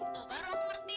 tuh baru aku ngerti